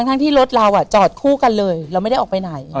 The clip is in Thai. ทั้งที่รถเราจอดคู่กันเลยเราไม่ได้ออกไปไหน